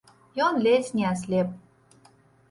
Ён ледзь не аслеп.